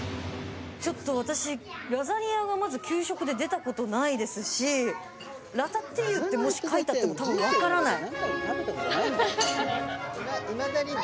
私ラザニアがまず給食で出たことないですしラタトゥイユってもし書いてあっても分からない。